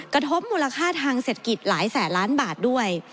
กระทบมูลค่าทางเศรษฐกิจหลายแสนล้านบาทด้วย